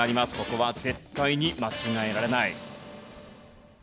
ここは絶対に間違えられない。